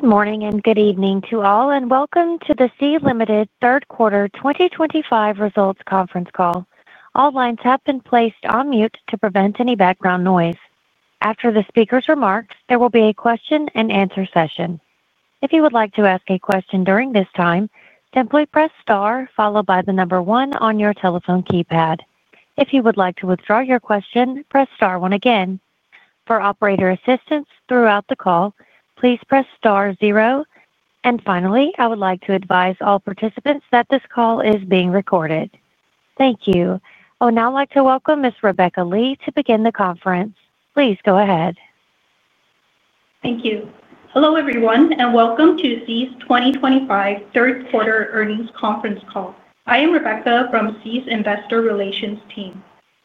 Good morning and good evening to all and welcome to the Sea Limited Third Quarter 2025 Results Conference Call. All lines have been placed on mute to prevent any background noise. After the speaker's remarks, there will be a question and answer session. If you would like to ask a question during this time, simply press star followed by the number one on your telephone keypad. If you would like to withdraw your question, press star one again. For operator assistance throughout the call, please press star zero. Finally, I would like to advise all participants that this call is being recorded. Thank you. I would now like to welcome Ms. Rebecca Lee to begin the conference. Please go ahead. Thank you. Hello everyone and welcome to Sea's 2025 Third Quarter Earnings Conference Call. I am Rebecca from Sea's Investor Relations Team.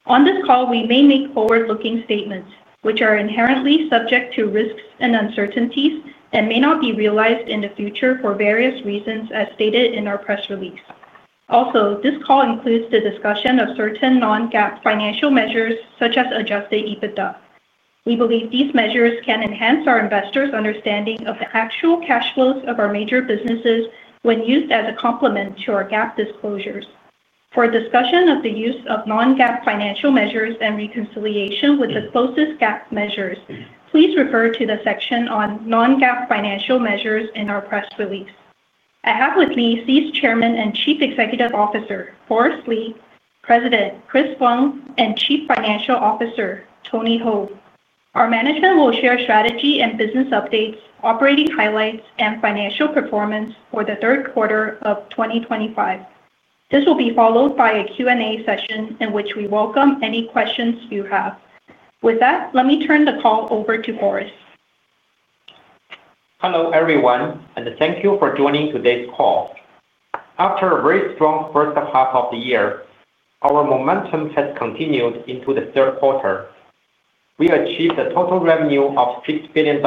On this call we may make forward-looking statements which are inherently subject to risks and uncertainties and may not be realized in the future for various reasons as stated in our press release. Also, this call includes the discussion of certain non-GAAP financial measures such as adjusted EBITDA. We believe these measures can enhance our investors' understanding of the actual cash flows of our major businesses when used as a complement to our GAAP disclosures. For a discussion of the use of non-GAAP financial measures and reconciliation with the closest GAAP measures, please refer to the section on non-GAAP financial measures in our press release. I have with me Sea's Chairman and Chief Executive Officer Forrest Li, President Chris Wang, and Chief Financial Officer Tony Hou. Our management will share strategy and business updates, operating highlights, and financial performance for the third quarter of 2025. This will be followed by a Q and A session in which we welcome any questions you have. With that, let me turn the call over to Forrest. Hello everyone and thank you for joining today's call. After a very strong first half of the year, our momentum has continued into the third quarter. We achieved a total revenue of $6 billion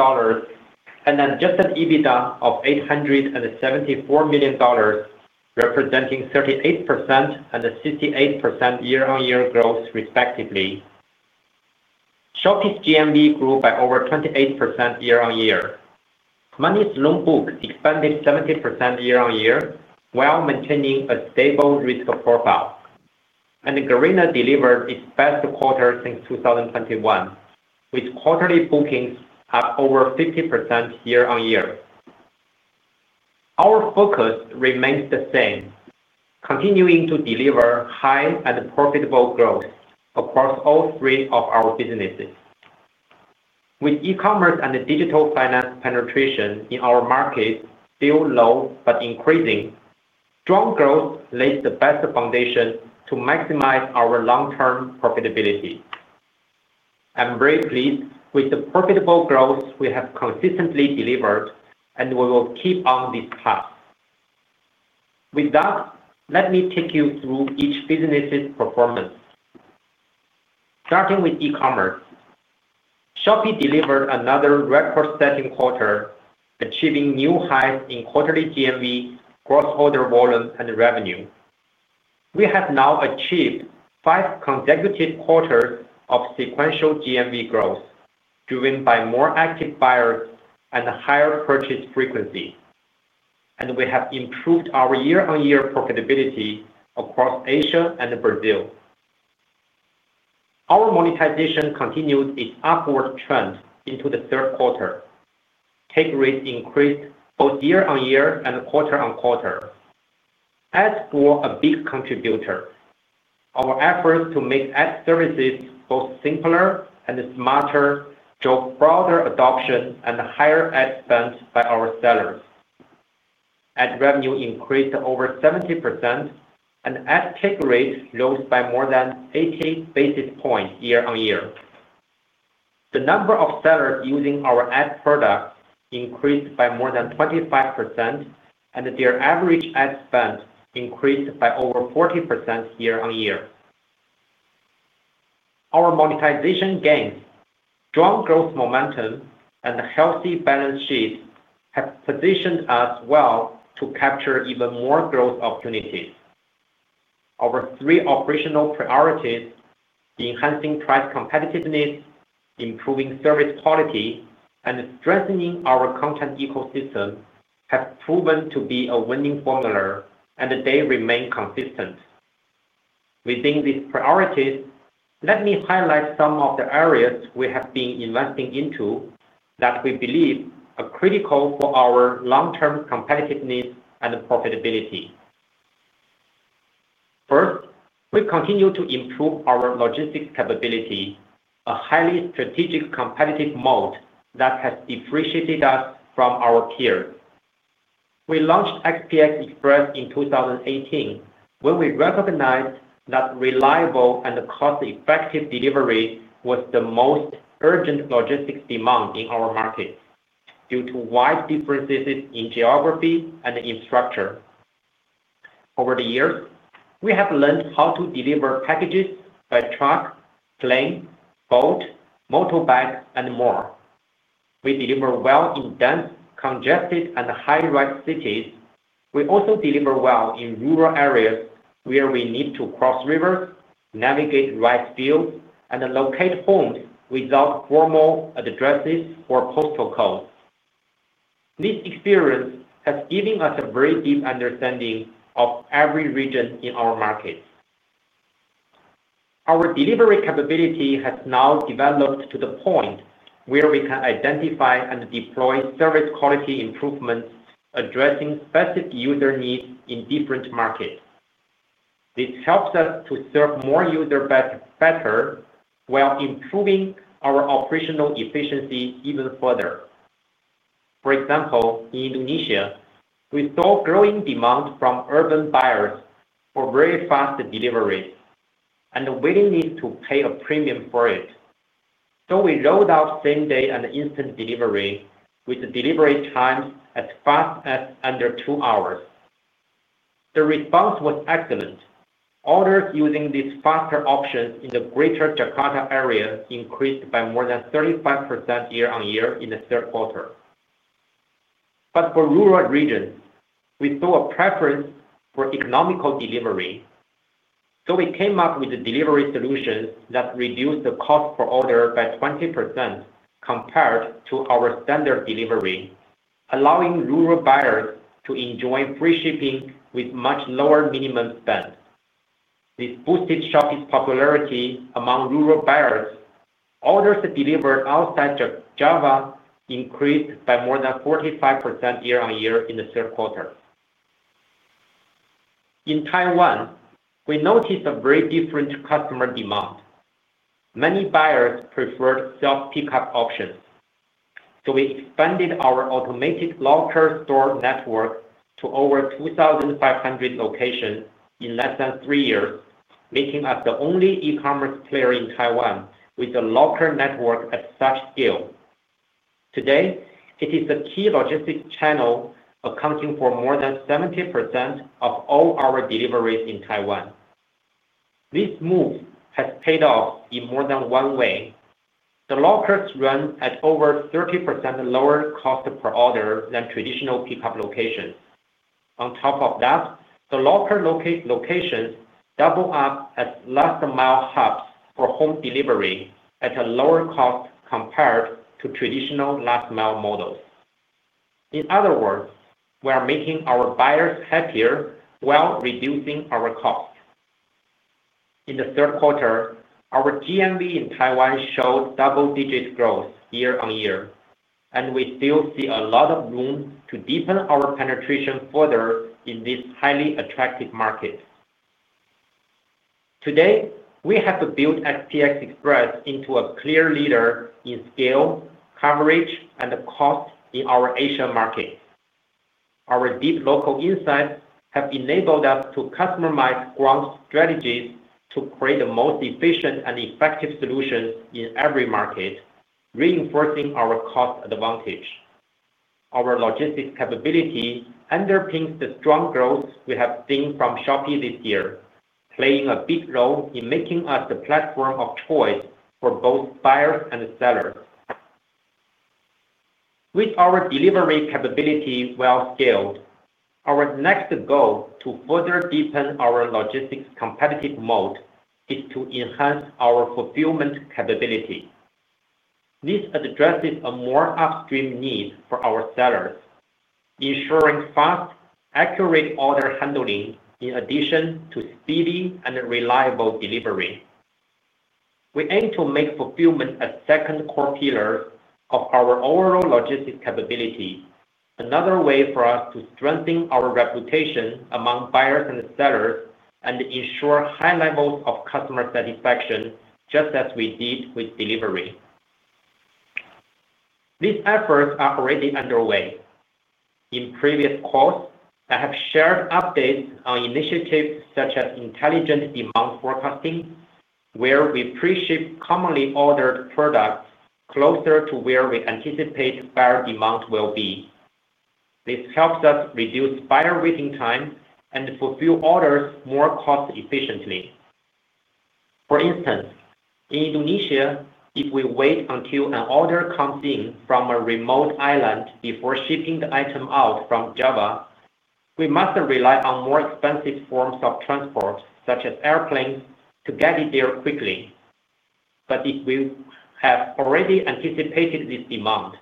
and adjusted EBITDA of $874 million, representing 38% and 68% year on year growth respectively. Shopee's GMV grew by over 28% year on year. Money's loan book expanded 70% year on year while maintaining a stable risk profile and Garena delivered its best quarter since 2021 with quarterly bookings up over 50% year on year. Our focus remains the same, continuing to deliver high and profitable growth across all three of our businesses. With E-commerce and digital finance penetration in our market still low, but increasing, strong growth lays the best foundation to maximize our long term profitability. I'm very pleased with the profitable growth we have consistently delivered and we will keep on this path. With that, let me take you through each business's performance. Starting with E-commerce. Shopee delivered another record-setting quarter, achieving new highs in quarterly GMV, gross order volume, and revenue. We have now achieved five consecutive quarters of sequential GMV growth driven by more active buyers and higher purchase frequency, and we have improved our year-on-year profitability across Asia and Brazil. Our monetization continued its upward trend into the third quarter. Take rates increased both year-on-year and quarter-on-quarter. Ads were a big contributor. Our efforts to make ad services both simpler and smarter drove broader adoption and higher ad spend by our sellers. Ad revenue increased over 70% and ad take rate rose by more than 80 basis points year on year. The number of sellers using our ad products increased by more than 25% and their average ad spend increased by over 40% year on year. Our monetization gains, strong growth momentum, and a healthy balance sheet have positioned us well to capture even more growth opportunities. Our three operational priorities, enhancing price competitiveness, improving service quality, and strengthening our content ecosystem, have proven to be a winning formula and they remain consistent. Within these priorities, let me highlight some of the areas we have been investing into that we believe are critical for our long-term competitiveness and profitability. First, we continue to improve our logistics capability, a highly strategic competitive moat that has differentiated us from our peers. We launched SPX Express in 2018 when we recognized that reliable and cost-effective delivery was the most urgent logistics demand in our market due to wide differences in geography and in structure. Over the years we have learned how to deliver packages by truck, plane, boat, motorbike, and more. We deliver well in dense, congested, and high-rise cities. We also deliver well in rural areas where we need to cross rivers, navigate rice fields, and locate homes without formal addresses or postal codes. This experience has given us a very deep understanding of every region in our market. Our delivery capability has now developed to the point where we can identify and deploy service quality improvements addressing specific user needs in different markets. This helps us to serve more user baskets better while improving our operational efficiency even further. For example, in Indonesia we saw growing demand from urban buyers for very fast delivery and willingness to pay a premium for it. We rolled out same day and instant delivery with the delivery times as fast as under two hours. The response was excellent. Orders using these faster options in the greater Jakarta area increased by more than 35% year on year in the third quarter, but for rural regions we saw a preference for economical delivery. We came up with a delivery solution that reduced the cost per order by 20% compared to our standard delivery, allowing rural buyers to enjoy free shipping with much lower minimum spend. This boosted Shopee's popularity among rural buyers. Orders delivered outside Java increased by more than 45% year on year in the third quarter. In Taiwan, we noticed a very different customer demand. Many buyers preferred self pickup options, so we expanded our automated locker store network to over 2,500 locations in less than three years, making us the only E-commerce player in Taiwan with a locker network at such scale. Today it is a key logistics channel accounting for more than 70% of all our deliveries in Taiwan. This move has paid off in more than one way. The lockers run at over 30% lower cost per order than traditional pickup location. On top of that, the local locations double up as last mile hubs for home delivery at a lower cost compared to traditional last mile models. In other words, we are making our buyers happier while reducing our cost. In the third quarter, our GMV in Taiwan showed double-digit growth year on year and we still see a lot of room to deepen our penetration further in this highly attractive market. Today we have built SPX Express into a clear leader in scale, coverage, and cost in our Asian market. Our deep local insights have enabled us to customize ground strategies to create the most efficient and effective solutions in every market, reinforcing our cost advantage. Our logistics capability underpins the strong growth we have seen from Shopee this year, playing a big role in making us the platform of choice for both buyers and sellers. With our delivery capability well scaled, our next goal to further deepen our logistics competitive moat is to enhance our fulfillment capability. This addresses a more upstream need for our sellers, ensuring fast, accurate order handling in addition to speedy and reliable delivery. We aim to make fulfillment a second core pillar of our overall logistics capability, another way for us to strengthen our reputation among buyers and sellers and ensure high levels of customer satisfaction just as we did with delivery. These efforts are already underway. In previous calls, I have shared updates on initiatives such as Intelligent Demand Forecasting where we pre ship commonly ordered products closer to where we anticipate buyer demand will be. This helps us reduce buyer waiting time and fulfill orders more cost efficiently. For instance, in Indonesia, if we wait until an order comes in from a remote island before shipping the item out from Java, we must rely on more expensive forms of transport such as airplanes to get it there quickly. If we have already anticipated this demand,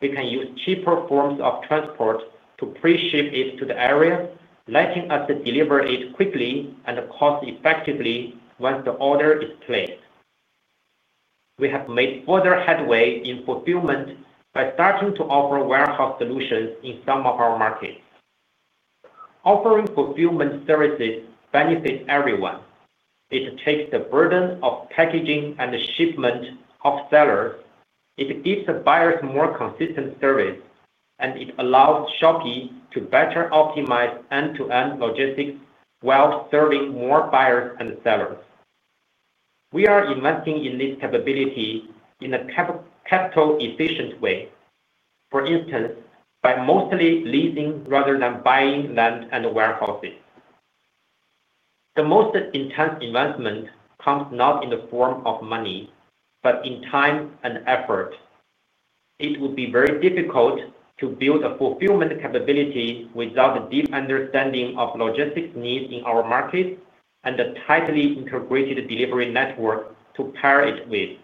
we can use cheaper forms of transport to pre-ship it to the area, letting us deliver it quickly and cost effectively once the order is placed. We have made further headway in fulfillment by starting to offer warehouse solutions in some of our markets. Offering fulfillment services benefits everyone. It takes the burden of packaging and shipment off sellers, it gives the buyers more consistent service, and it allows Shopee to better optimize end-to-end logistics while serving more buyers and sellers. We are investing in this capability in a capital efficient way, for instance by mostly leasing rather than buying land and warehouses. The most intense investment comes not in the form of money, but in time and effort. It would be very difficult to build a fulfillment capability without a deep understanding of logistics needs in our market and a tightly integrated delivery network to pair it with.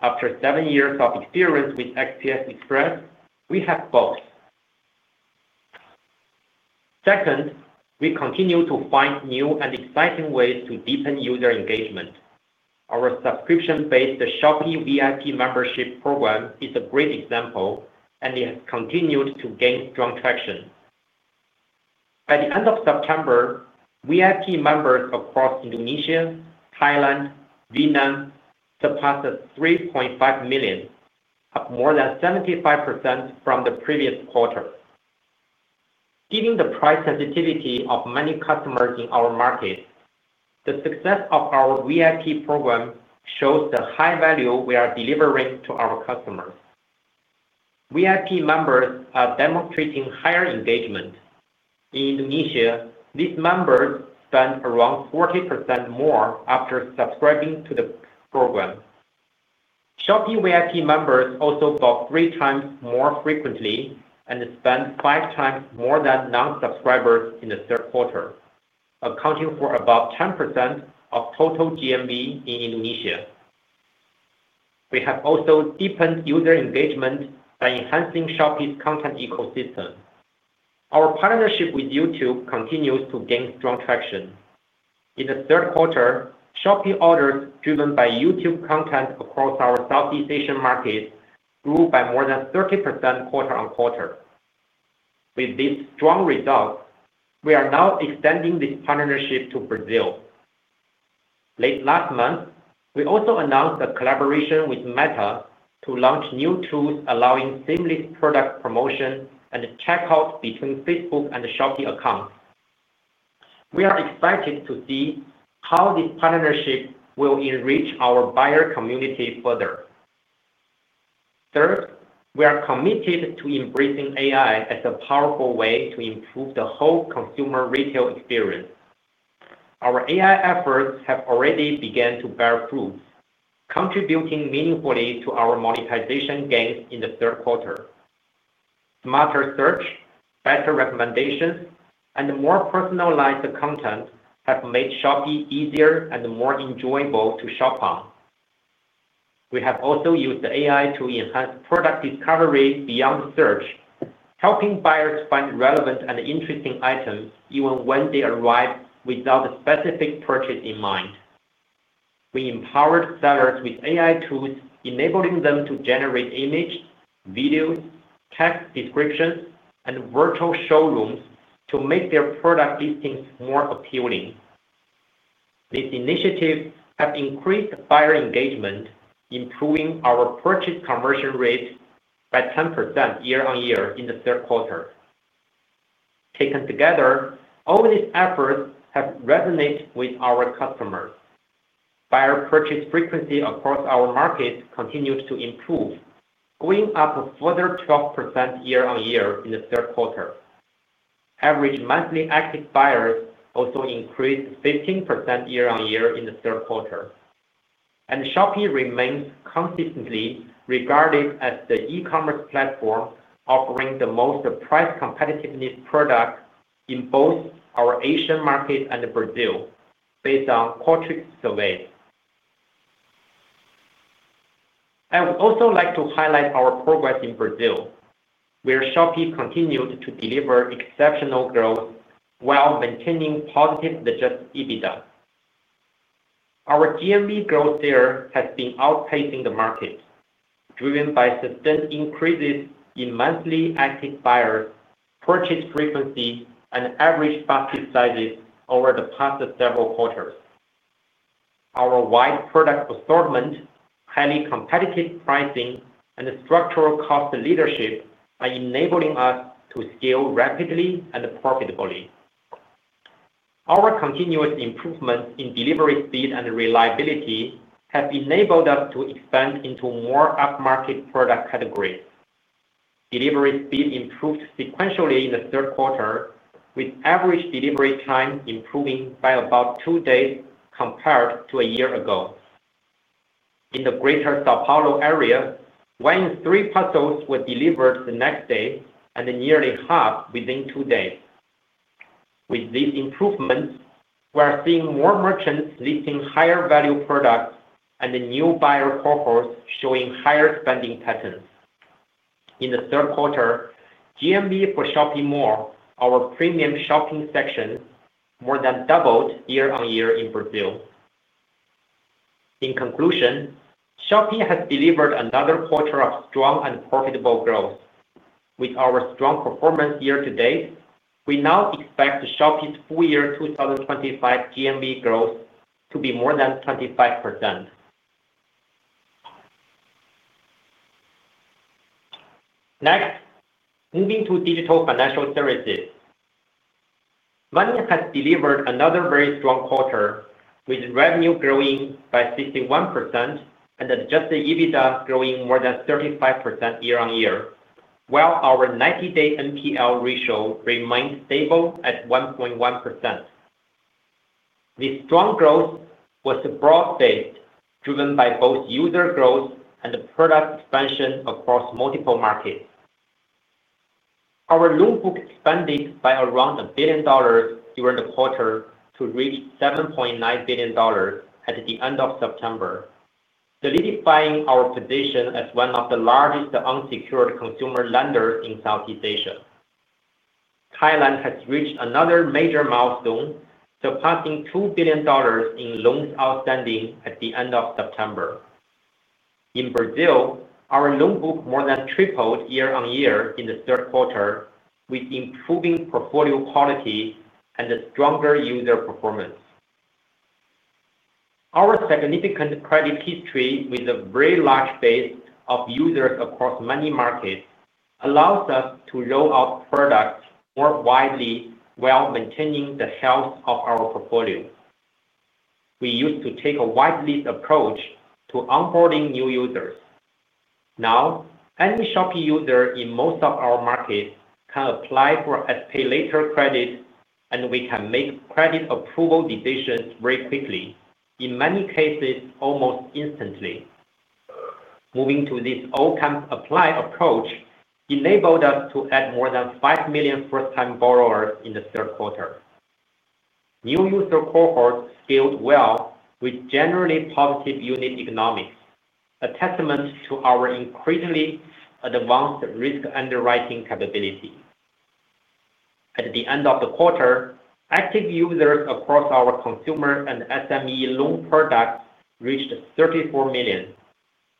After seven years of experience with SPX Express, we have both seconds. We continue to find new and exciting ways to deepen user engagement. Our subscription-based Shopee VIP membership program is a great example and it has continued to gain strong traction. By the end of September, VIP members across Indonesia, Thailand, Vietnam surpassed 3.5 million, up more than 75% from the previous quarter. Given the price sensitivity of many customers in our market, the success of our VIP program shows the high value we are delivering to our customers. VIP members are demonstrating higher engagement in Indonesia. These members spend around 40% more after subscribing to the program. Shopee VIP members also bulk three times more frequently and spent five times more than non subscribers in the third quarter, accounting for about 10% of total GMV in Indonesia. We have also deepened user engagement by enhancing Shopee's content ecosystem. Our partnership with YouTube continues to gain strong traction in the third quarter. Shopee orders, driven by YouTube content across our Southeast Asian market, grew by more than 30% quarter on quarter. With this strong result, we are now extending this partnership to Brazil. Late last month, we also announced a collaboration with Meta to launch new tools allowing seamless product promotion and checkout between Facebook and Shopee accounts. We are excited to see how the partnership will enrich our buyer community further. Third, we are committed to embracing AI as a powerful way to improve the whole consumer retail experience. Our AI efforts have already begun to bear fruit, contributing meaningfully to our monetization gains in the third quarter. Smarter search, better recommendations, and more personalized content have made shopping easier and more enjoyable to shop on. We have also used AI to enhance product discovery beyond search, helping buyers find relevant and interesting items even when they arrive without a specific purchase in mind. We empowered sellers with AI tools, enabling them to generate images, videos, text descriptions, and virtual showrooms to make their product listings more appealing. These initiatives have increased buyer engagement, improving our purchase conversion rate by 10% year on year in the third quarter. Taken together, all these efforts have resonated with our customers. Buyer purchase frequency across our market continues to improve, going up a further 12% year on year in the third quarter. Average monthly active buyers also increased 15% year on year in the third quarter and Shopee remains consistently regarded as the E-commerce platform offering the most price competitive product in both our Asian market and Brazil, based on Qualtrics surveys. I would also. Like to highlight our progress in Brazil where Shopee continued to deliver exceptional growth while maintaining positive adjusted EBITDA. Our GMV growth there has been outpacing the market, driven by sustained increases in monthly active buyers, purchase frequency, and average basket sizes over the past several quarters. Our wide product assortment, highly competitive pricing, and structural cost leadership are enabling us to scale rapidly and profitably. Our continuous improvements in delivery speed and reliability have enabled us to expand into more upmarket product categories. Delivery speed improved sequentially in the third quarter, with average delivery time improving by about two days compared to a year ago. In the greater São Paulo area, one in three parcels were delivered the next day and nearly half within two days. With these improvements, we are seeing more merchants listing higher value products and the new buyer cohorts showing higher spending patterns in the third quarter. GMV for Shopee Mall, our premium shopping section, more than doubled year on year in Brazil. In conclusion, Shopee has delivered another quarter of strong and profitable growth with our strong performance year to date. We now expect Shopee's full year 2025 GMV growth to be more than 25%. Next, moving to digital financial services, Money has delivered another very strong quarter with revenue growing by 61% and adjusted EBITDA growing more than 35% year on year, while our 90 day NPL ratio remained stable at 1.1%. This strong growth was broad based, driven by both user growth and the product expansion across multiple markets. Our loan book expanded by around $1 billion during the quarter to reach $7.9 billion at the end of September, solidifying our position as one of the largest unsecured consumer lenders in Southeast Asia. Thailand has reached another major milestone, surpassing $2 billion in loans outstanding at the end of September. In Brazil, our loan book more than tripled year on year in the third quarter with improving portfolio quality and a stronger user performance. Our significant credit history with a very large base of users across many markets allows us to roll out products more widely while maintaining the health of our portfolio. We used to take a wide approach to onboarding new users. Now any Shopee user in most of our markets can apply for SPayLater credit and we can make credit approval decisions very quickly, in many cases almost instantly. Moving to this all camp apply approach enabled us to add more than 5 million first time borrowers in the third quarter. New user cohorts scaled well with generally positive unit economics, a testament to our increasingly advanced risk underwriting capability. At the end of the quarter, active users across our consumer and SME loan products reached 34 million,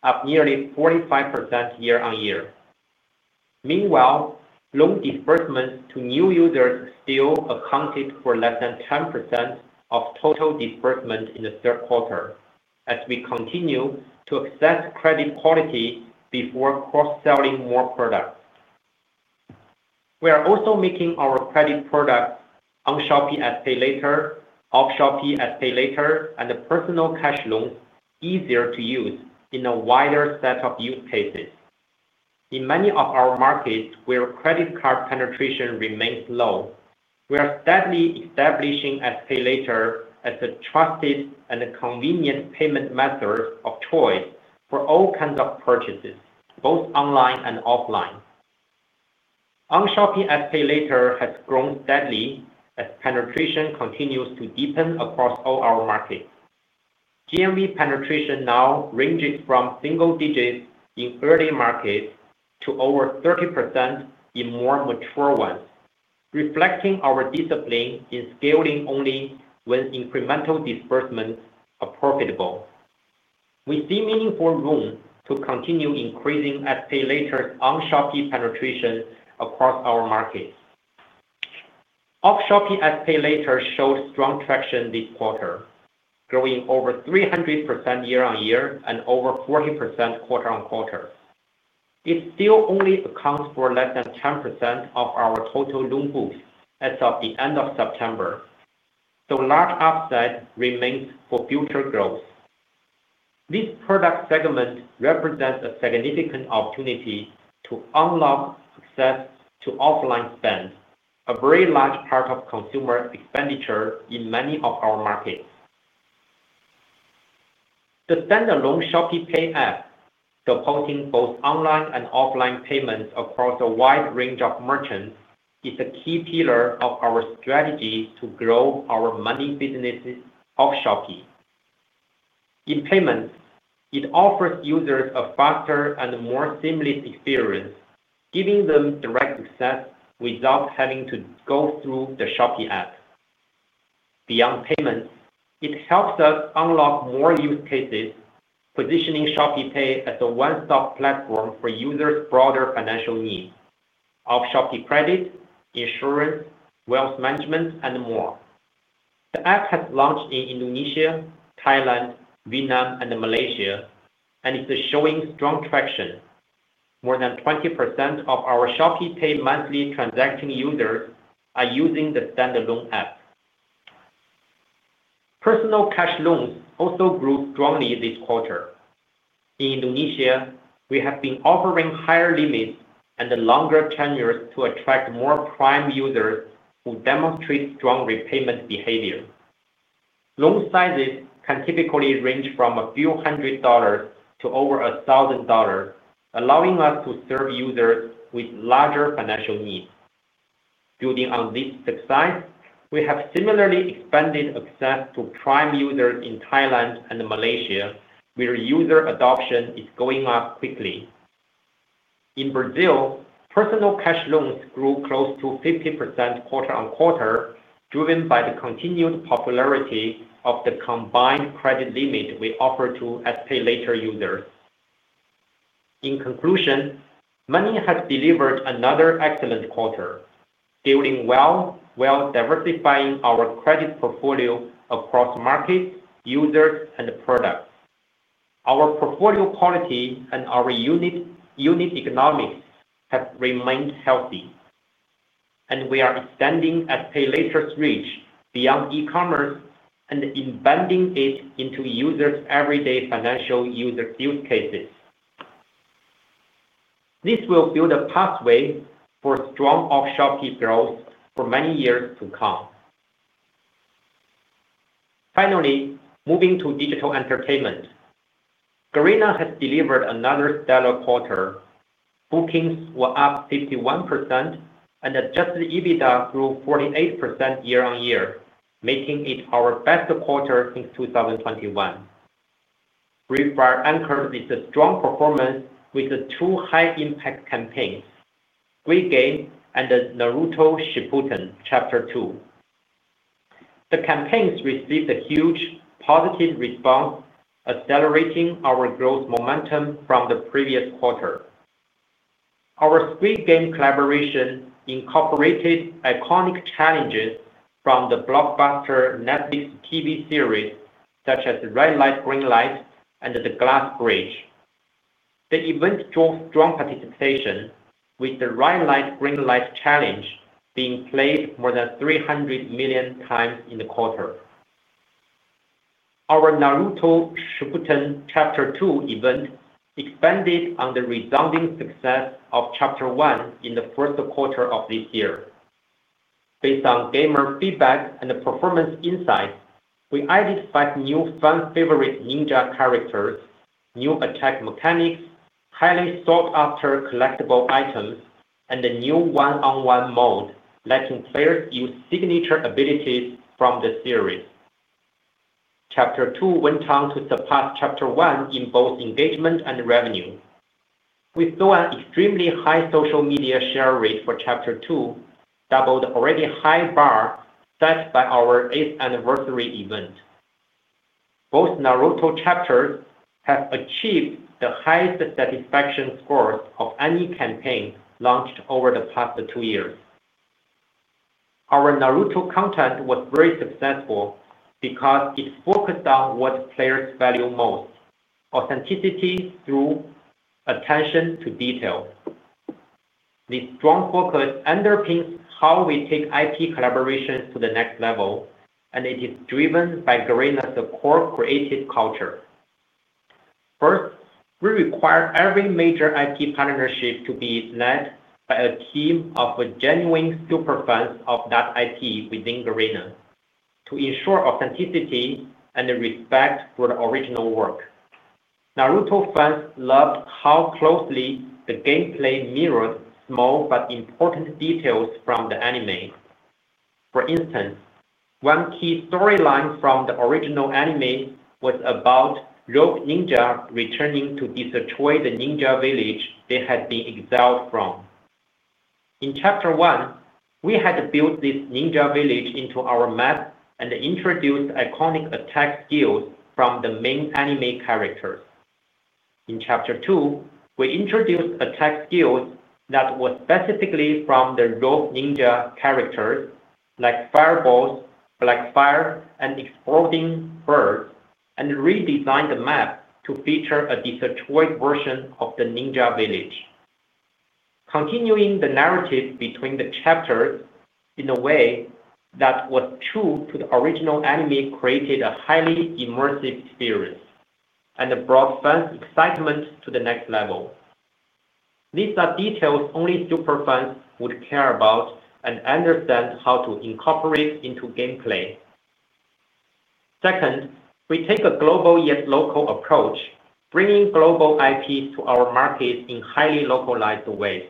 up nearly 45% year on year. Meanwhile, loan disbursements to new users still accounted for less than 10% of total disbursement in the third quarter. As we continue to assess credit quality before cross selling more products. We are. Also making our credit products on Shopee SPayLater, Offshore SPayLater and personal cash loans easier to use in a wider set of use cases. In many of our markets where credit card penetration remains low, we are steadily establishing SPayLater as a trusted and convenient payment method of choice for all kinds of purchases both online and offline. On Shopee SPayLater has grown steadily as penetration continues to deepen across all our markets. GMV penetration now ranges from single-digits in early markets to over 30% in more mature ones, reflecting our discipline in scaling. Only when incremental disbursements are profitable, we see meaningful room to continue increasing SPayLater's on Shopee penetration across our markets. Offshore SPayLater showed strong traction this quarter, growing over 300% year on year and over 40% quarter on quarter. It still only accounts for less than 10% of our total loan books as of the end of September. Large upside remains for future growth. This product segment represents a significant opportunity to unlock access to offline spend, a very large part of consumer expenditure in many of our markets. The standalone ShopeePay app, supporting both online and offline payments across a wide. Range of merchants is a key pillar of our strategy to grow our money businesses of Shopee in payments. It offers users a faster and more seamless experience, giving them direct access without having to go through the Shopee app. Beyond payments, it helps us unlock more use cases, positioning ShopeePay as a one stop platform for users, broader financial needs of Shopee credit, insurance, wealth management and more. The app has launched in Indonesia, Thailand, Vietnam and Malaysia and is showing strong traction. More than 20% of our ShopeePay monthly transacting users are using the standalone app. Personal cash loans also grew strongly this quarter. In Indonesia, we have been offering higher limits and longer tenures to attract more prime users who demonstrate strong repayment behavior. Loan sizes can typically range from a few hundred dollars to over $1,000, allowing us to serve users with larger financial needs. Building on this, we have similarly expanded access to prime users in Thailand and Malaysia, where user adoption is going up quickly. In Brazil, personal cash loans grew close to 50% quarter on quarter, driven by the continued popularity of the combined credit limit we offer to SPayLater users. In conclusion, Money has delivered another excellent quarter, feeling well while diversifying our credit portfolio across market users and products. Our portfolio quality and our unit economics have remained healthy and we are extending at Pay Later's reach beyond e-commerce and embedding it into users' everyday financial use cases. This will build a pathway for strong offshore key growth for many years to come. Finally, moving to digital entertainment, Garena has delivered another stellar quarter. Bookings were up 51% and adjusted EBITDA grew 48% year on year, making it our best quarter since 2021. Free Fire anchored this strong performance with two high impact campaigns, Squid Game and Naruto Shippuden Chapter 2. The campaigns received a huge positive response, accelerating our growth momentum from the previous quarter. Our Squid Game collaboration incorporated iconic challenges from the blockbuster Netflix TV series such as Red Light, Green Light and the Glass Bridge. The event drove strong participation with the Red Light Green Light Challenge being played more than 300 million times in the quarter. Our Naruto Shippuden Chapter 2 event expanded on the resounding success of Chapter 1 in the first quarter of this year. Based on gamer feedback and performance insights, we identified new fan favorite ninja characters, new attack mechanics, highly sought after collectible items, and a new one-on-one mode letting players use signature abilities from the series. Chapter two went on to surpass Chapter one in both engagement and revenue. We saw an extremely high social media share rate for Chapter two, double the already high bar set by our eighth anniversary event. Both Naruto chapters have achieved the highest satisfaction scores of any campaign launched over the past two years. Our Naruto content was very successful because it focused on what players value most, authenticity through attention to detail. This strong focus underpins how we take IP collaboration to the next level, and it is driven by Garena's core creative culture. First, we require every major IT partnership to be led by a team of genuine super fans of Dart IT within Garena to ensure authenticity and respect for the original work. Naruto fans loved how closely the gameplay mirrored small but important details from the anime. For instance, one key storyline from the original anime was about rogue ninja returning to desecrate the ninja village they had been exiled from. In Chapter one, we had built this ninja village into our map and introduced iconic attack skills from the main anime characters. In Chapter two, we introduced attack skills that were specifically from the rogue ninja characters like fireballs, black fire and exploding birds, and redesigned the map to feature a destroyed version of the ninja village. Continuing the narrative between the chapters in a way that was true to the original anime created a highly immersive experience and brought fans excitement to the next level. These are details only superfans would care about and understand how to incorporate into gameplay. Second, we take a global yet local approach, bringing global IPs to our market in highly localized ways.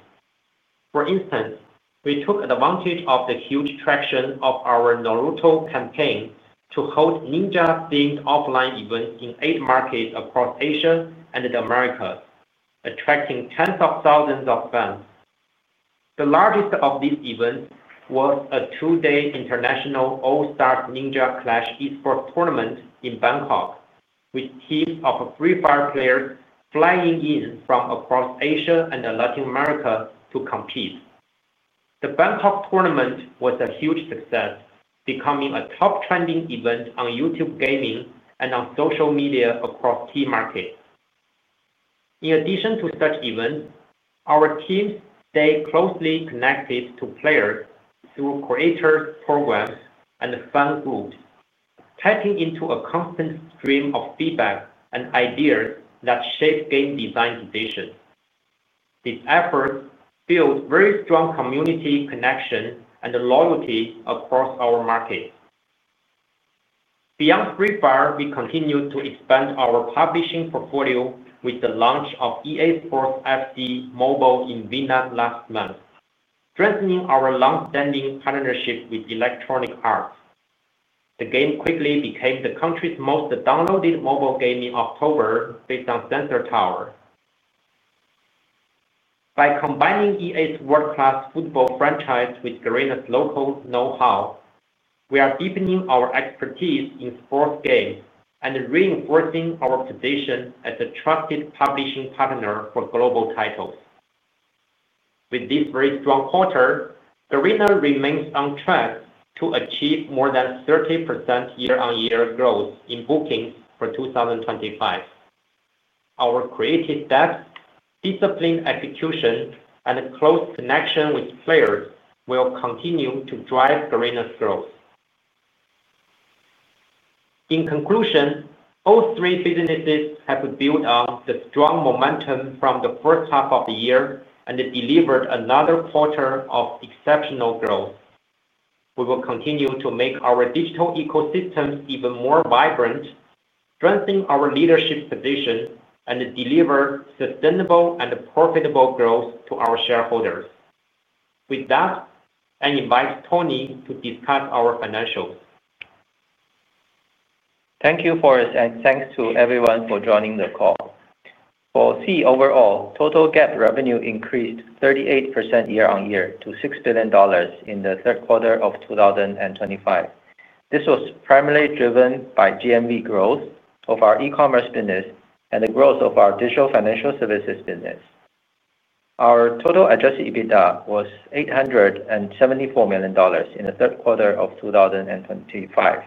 For instance, we took advantage of the huge traction of our Naruto campaign to hold ninja themed offline events in eight markets across Asia and the Americas, attracting tens of thousands of fans. The largest of these events was a two day International All Stars Ninja Clash Esports Tournament in Bangkok with teams of Free Fire players flying in from across Asia and Latin America to compete. The Bangkok tournament was a huge success, becoming a top trending event on YouTube Gaming and on social media across key markets. In addition to such events, our teams stay closely connected to players through creators, programs, and fan groups, tapping into a constant stream of feedback and ideas that shape game design decisions. These efforts build very strong community connection and loyalty across our markets. Beyond Free Fire, we continue to expand our publishing portfolio with the launch of EA Sports FC Mobile in Vietnam last month, strengthening our long-standing partnership with Electronic Arts. The game quickly became the country's most downloaded mobile game in October based on Sensor Tower. By combining EA's world-class football franchise with Garena's local know-how, we are deepening our expertise in sports games and reinforcing our position as a trusted publishing partner for global titles. With this very strong quarter, Garena remains on track to achieve more than 30% year-on-year growth in bookings for 2025. Our creative depth, disciplined execution, and close connection with players will continue to drive Garena's growth. In conclusion, all three businesses have built on the strong momentum from the first half of the year and delivered another quarter of exceptional growth. We will continue to make our digital ecosystem even more vibrant, strengthen our leadership position, and deliver sustainable and profitable growth to our shareholders. With that, I invite Tony to discuss our financials. Thank you Forrest and thanks to everyone for joining the call for Sea overall, total GAAP revenue increased 38% year on year to $6 billion in the third quarter of 2025. This was primarily driven by GMV growth of our E-commerce business and the growth of our digital financial services business. Our total adjusted EBITDA was $874 million in the third quarter of 2025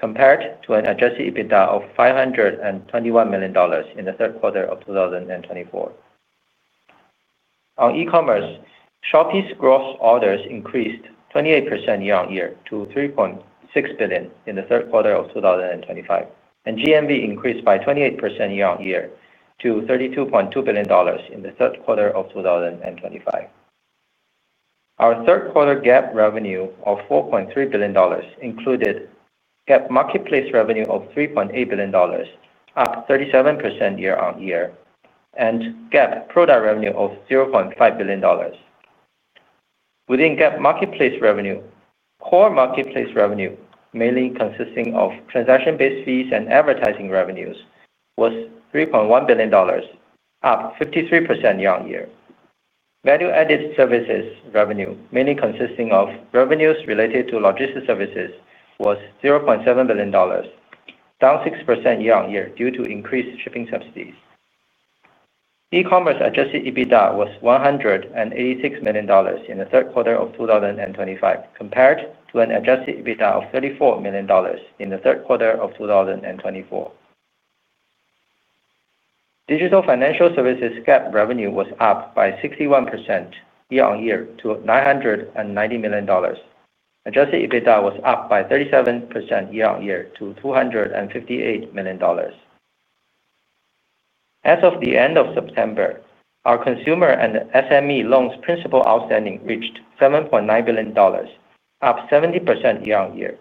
compared to an adjusted EBITDA of $521 million in the third quarter of 2024. On E-commerce, Shopee's gross orders increased 28% year on year to $3.6 billion in the third quarter of 2025 and GMV increased by 28% year on year to $32.2 billion in the third quarter of 2025. Our third quarter GAAP revenue of $4.3 billion included GAAP marketplace revenue of $3.8 billion, up 37% year on year, and GAAP product revenue of $0.5 billion. Within GAAP marketplace revenue, core marketplace revenue mainly consisting of transaction-based fees and advertising revenues was $3.1 billion, up 53% year on year. Value-added services revenue, mainly consisting of revenues related to logistics services, was $0.7 billion, down 6% year on year due to increased shipping subsidies. E-commerce adjusted EBITDA was $186 million in the third quarter of 2025 compared to an adjusted EBITDA of $34 million in the third quarter of 2024. Digital financial services GAAP revenue was up by 61% year on year to $990 million. Adjusted EBITDA was up by 37% year on year to $258 million. As of the end of September. Our consumer and SME loans principal outstanding reached $7.9 billion, up 70% year on year.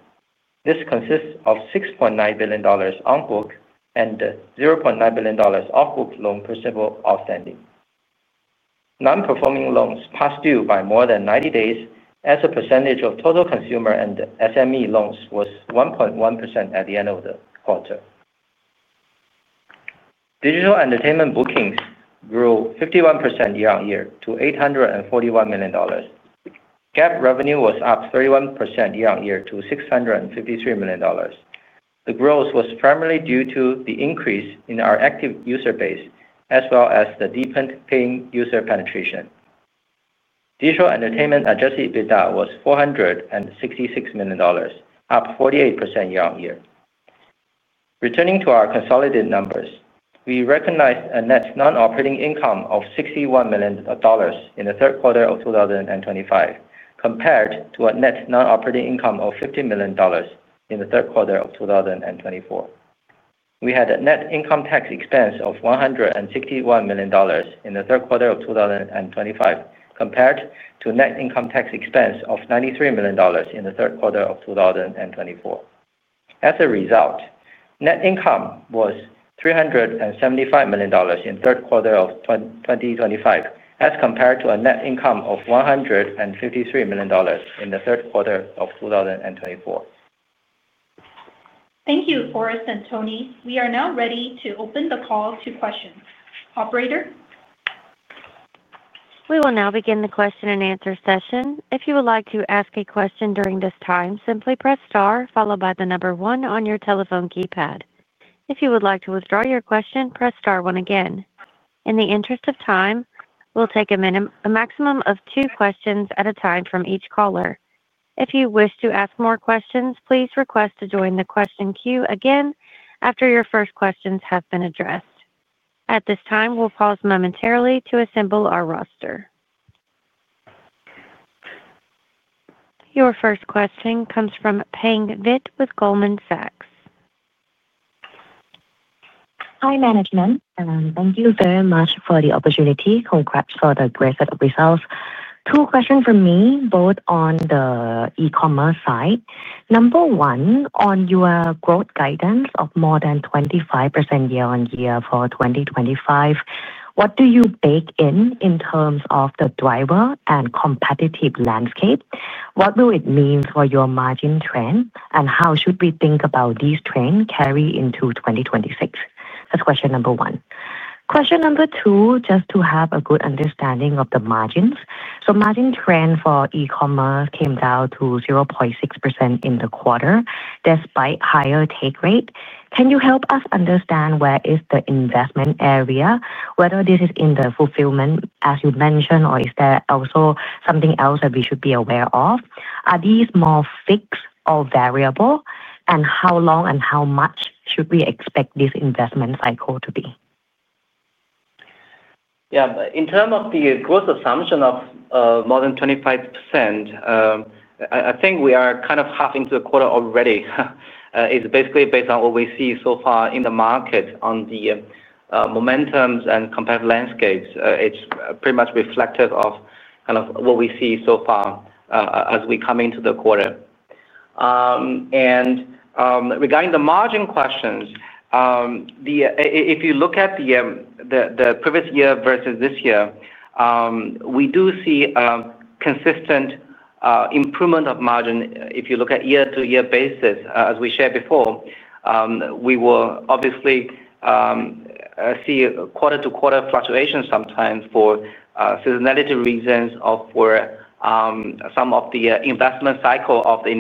This consists of $6.9 billion on book and $0.9 billion off book loan receivable outstanding. Non-performing loans past due by more than 90 days as a percentage of total consumer and SME loans was 1.1% at the end of the quarter. Digital Entertainment bookings grew 51% year on year to $841 million. GAAP revenue was up 31% year on year to $653 million. The growth was primarily due to the increase in our active user base as well as the deepened paying user penetration. Digital Entertainment adjusted EBITDA was $466 million, up 48% year on year. Returning to our consolidated numbers, we recognized a net non-operating income of $61 million in the third quarter of 2025 compared to a net non-operating income of $50 million in the third quarter of 2024. We had a net income tax expense of $161 million in the third quarter of 2025, compared to net income tax expense of $93 million in the third quarter of 2024. As a result, net income was $375 million in third quarter of 2025 as compared to a net income of $153 million in the third quarter of 2022. Thank you Forrest and Tony. We are now ready to open the call to questions, Operator. We will now begin the question and answer session. If you would like to ask a question during this time, simply press star followed by the number one on your telephone keypad. If you would like to withdraw your question, press star one. Again, in the interest of time, we'll take a maximum of two questions at a time from each caller. If you wish to ask more questions, please request to join the question queue again after your first questions have been addressed. At this time, we'll pause momentarily to assemble our roster. Your first question comes from Pang Vit with Goldman Sachs. Hi Management. Thank you very much for the opportunity. Congrats for the great set of results. Two questions from me both on the E-commerce side. Number one on your growth guidance of more than 25% year on year for 2025, what do you bake in in terms of the driver and competitive landscape? What will it mean for your margin trend and how should we think about these trends carry into 2026? That's question number one. Question number two just to have a good understanding of the margins. So margin trend for E-commerce came down to 0.6% in the quarter despite higher take rate. Can you help us understand where is the investment area? Whether this is in the fulfillment as you mentioned or is there also something else that we should be aware of? Are these more fixed or variable, and how long and how much should we expect this investment cycle to be? Yes, in terms of the growth assumption of more than 25% I think we are kind of half into the quarter already. It is basically based on what we see so far in the market on the momentums and competitive landscapes. It is pretty much reflective of what we see so far as we come into the quarter. Regarding the margin questions, if you look at the previous year versus this year, we do see consistent improvement of margin. If you look at year to year basis as we shared before, we will obviously see quarter to quarter fluctuation sometimes for seasonality reasons or some of the investment cycle of the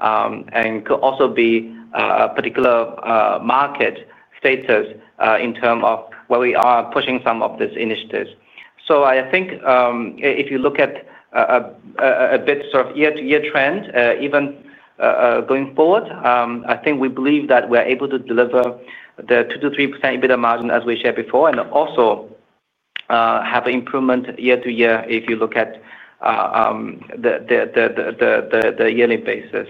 initiatives and could also be a particular market status in terms of where we are pushing some of these initiatives. I think if you look at a bit sort of year to year trend even going forward, I think we believe that we are able to deliver the 2%-3% EBITDA margin as we shared before and also have an improvement year to year. If you look at the yearly basis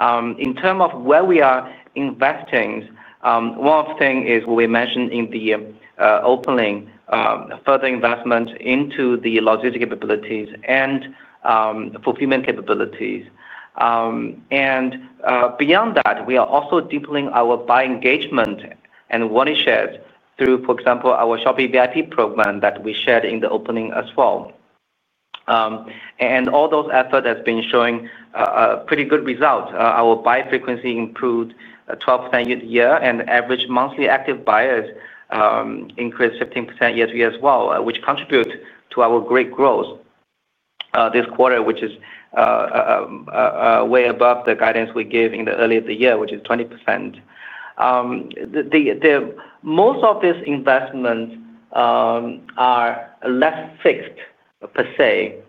in terms of where we are investing, one of the things is we mentioned in the opening further investment into the logistics capabilities and fulfillment capabilities and beyond that we are also deepening our buyer engagement and winning shares through for example our Shopee VIP program that we shared in the opening as well and all those efforts have been showing pretty good results. Our buy frequency improved 12% year to year and average monthly active buyers increased 15% year to year as well, which contribute to our great growth this quarter, which is way above the guidance we gave in the early of the year, which is 20%. Most of these investments are less fixed per se.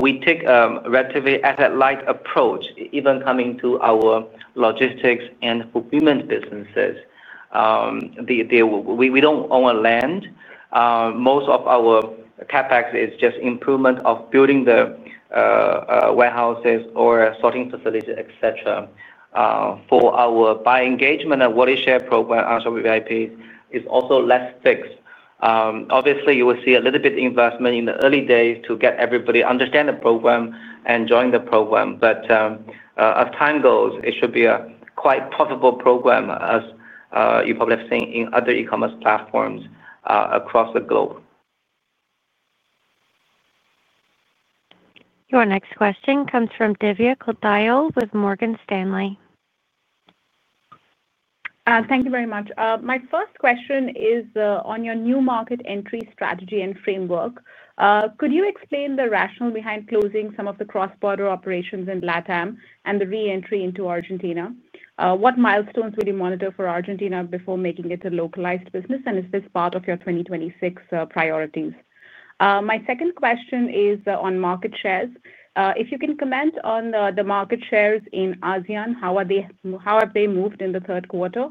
We take relatively asset-light approach even coming to our logistics and fulfillment businesses. We do not own land. Most of our CapEx is just improvement of building the warehouses or sorting facilities, etc. For our buy engagement and what is share program onshore, VIP is also less fixed. Obviously, you will see a little bit investment in the early days to get everybody understand the program and join the program, but as time goes it should be a quite profitable program as you probably have seen in other E-commerce platforms across the globe. Your next question comes from Divya Kothiyal with Morgan Stanley. Thank you very much. My first question is on your new market entry strategy and framework. Could you explain the rationale behind closing some of the cross border operations in Latin America and the re-entry into Argentina? What milestones will you monitor for Argentina before making it a localized business and is this part of your 2026 priorities? My second question is on market shares. If you can comment on the market shares in ASEAN, how have they moved in the third quarter?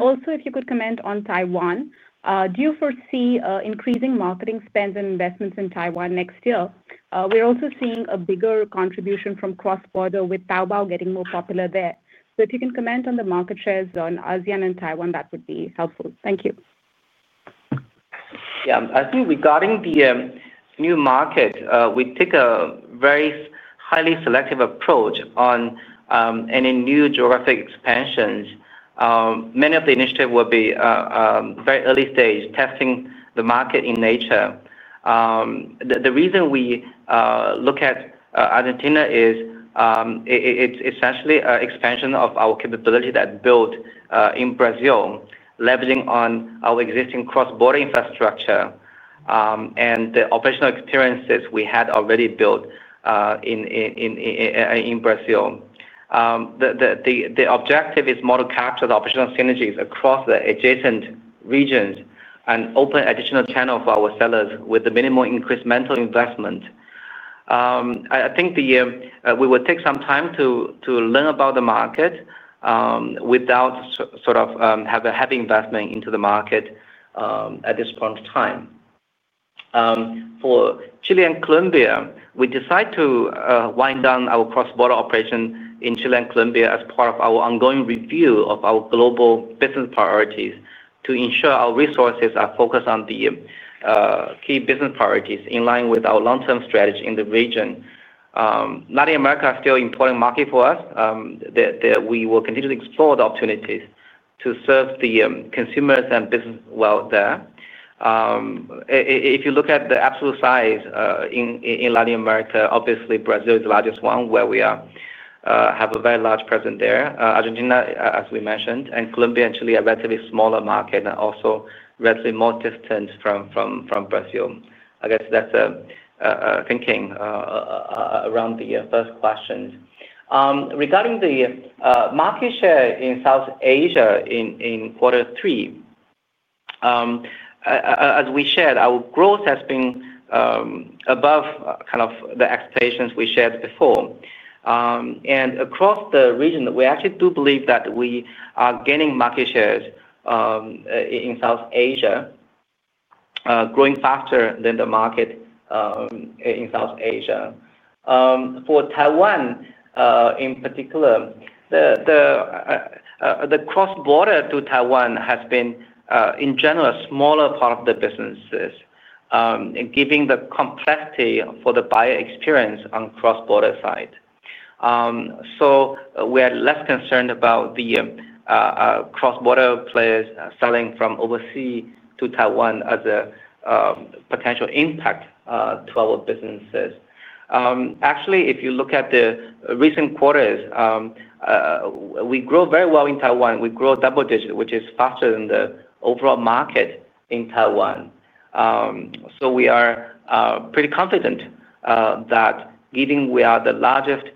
Also, if you could comment on Taiwan, do you foresee increasing marketing spends and investments in Taiwan next year? We are also seeing a bigger contribution from cross border with Taobao getting more popular there. If you can comment on the market shares on ASEAN and Taiwan that would be helpful. Thank you. I think regarding the new market, we take a very highly selective approach on any new geographic expansions. Many of the initiatives will be very early stage, testing the market in nature. The reason we look at Argentina is essentially expansion of our capability that built in Brazil, leveraging on our existing cross-border infrastructure and the operational experiences we. Had already built. In Brazil, the objective is more to capture the operational synergies across the adjacent regions and open additional channel for our sellers, with the minimum increased mental investment. I think we will take some time to learn about the market without sort of have a heavy investment into the market at this point of time. For Chile and Colombia, we decided to wind down our cross border operation in Chile and Colombia as part of our ongoing review of our global business priorities to ensure our resources are focused on the key business priorities in line with our long term strategy in the region. Latin America is still an important market for us. We will continue to explore the opportunities to serve the consumers and business well there. If you look at the absolute size in Latin America, obviously Brazil is the largest one where we have a very large presence there. Argentina as we mentioned and Colombia actually a relatively smaller market and also relatively more distant from Brazil. I guess that's thinking around the first question regarding the market share in South Asia in quarter three. As we shared, our growth has been above kind of the expectations we shared before. Across the region, we actually do believe that we are gaining market shares in South Asia, growing faster than the market in South Asia. For Taiwan in particular, the cross border to Taiwan has been in general a smaller part of the businesses, giving the complexity for the buyer experience on cross border side. We are less concerned about the cross border players selling from overseas to Taiwan as a potential impact to our businesses. Actually, if you look at the recent quarters, we grow very well in Taiwan. We grow double-digit, which is faster than the overall market in Taiwan. We are pretty confident that given we are the largest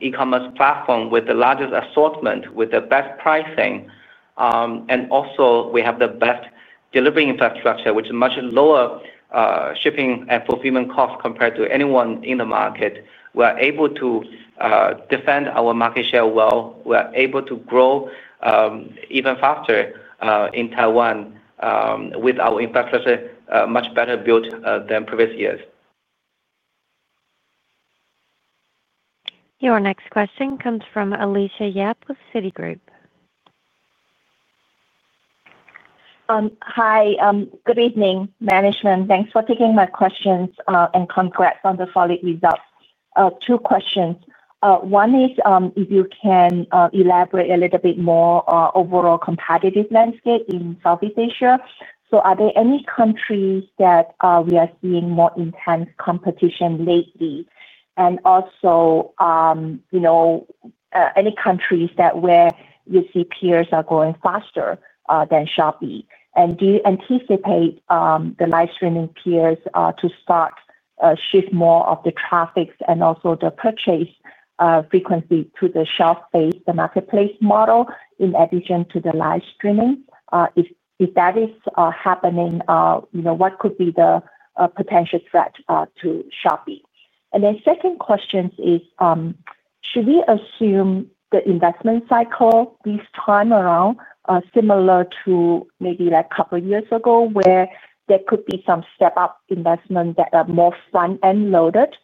E-commerce platform with the largest assortment with the best pricing and also we have the best delivery infrastructure, which is much lower shipping and fulfillment cost compared to anyone in the market, we are able to defend our market share well. We are able to grow even faster in Taiwan with our infrastructure much better built than previous years. Your next question comes from Alicia Yap of Citigroup. Hi, good evening management. Thanks for taking my questions and congrats on the folate results. Two questions. One is if you can elaborate a little bit more overall competitive landscape in Southeast Asia. Are there any countries that we are seeing more intense competition lately? Also any countries where you see peers are growing faster than Shopee and do you anticipate the live streaming peers to start shift more of the traffic and also the purchase frequency to the shelf face the marketplace model in addition to the live streaming? If that is happening, what could be the potential threat to Shopee? The second question is should we assume the investment cycle this time around similar to maybe like a couple years ago where there could be some step up investment that are more front end loaded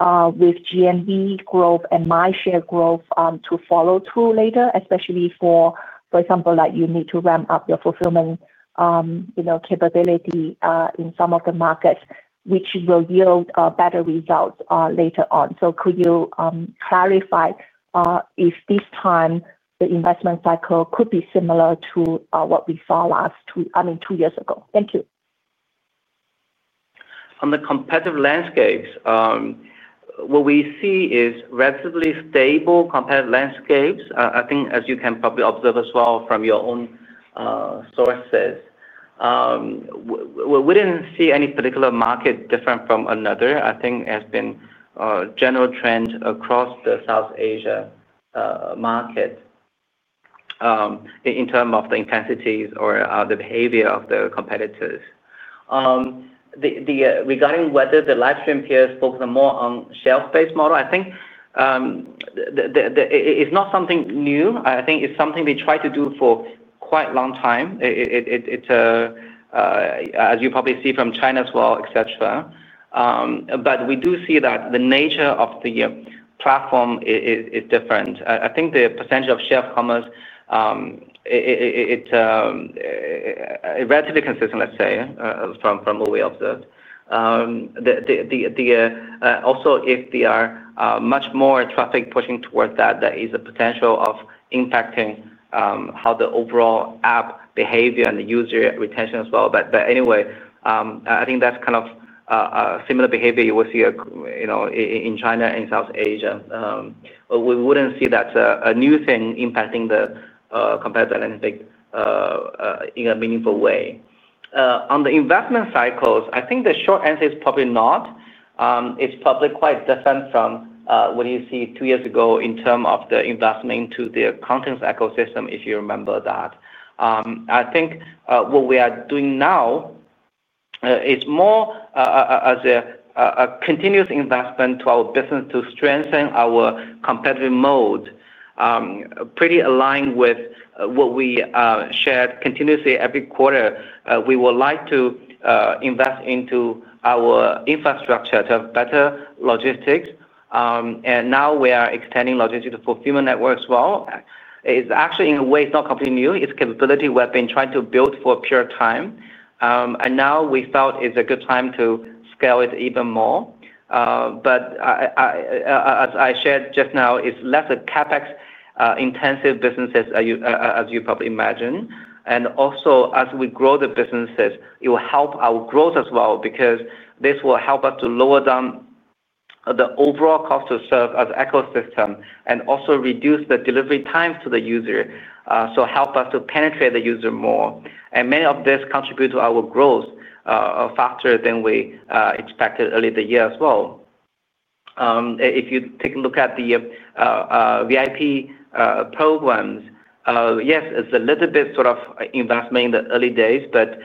with GMV growth and market share growth to follow through later. Especially for example like you need to ramp up your fulfillment capability in some of the markets which will yield better results later on. Could you clarify if this time the investment cycle could be similar to what we saw last, I mean two years ago. Thank you. On the competitive landscapes, what we see is relatively stable competitive landscapes. I think as you can probably observe as well from your own sources. We didn't see any particular market different from another. I think it has been a general trend across the South Asia market in terms of the intensities or the behavior of the competitors. Regarding whether the live stream peers focus more on shelf-based model, I think it's not something new. I think it's something they try to do for quite a long time, as you probably see from China as well, et cetera. We do see that the nature of the platform is different. I think the percentage of share of commerce is relatively consistent, let's say, from what we observed. Also if they are much more traffic pushing towards that, that is a potential of impacting how the overall app behavior and the user retention as well. Anyway, I think that's kind of similar behavior you will see in China and South Asia. We wouldn't see that a new thing impacting the compared to in a meaningful way on the investment cycles. I think the short answer is probably not. It's probably quite different from what you see two years ago in terms of the investment to the continence ecosystem if you remember that. I think what we are doing now is more as a continuous investment to our business to strengthen our competitive mode, pretty aligned with what we shared continuously every quarter. We would like to invest into our infrastructure to have better logistics and now we are extending logistics fulfillment networks. Actually, in a way, it's not completely new. It's a capability we have been trying to build for a period of time, and now we felt it's a good time to scale it even more. As I shared just now, it's less a CapEx intensive business as you probably imagine, and also as we grow the business, it will help our growth as well because this will help us to lower down the overall cost to serve as an ecosystem and also reduce the delivery time to the user, so help us to penetrate the user more. Many of this contributes to our growth faster than we expected earlier in the year as well. If you take a look at the VIP programs, yes it's a little bit sort of investment in the early days, but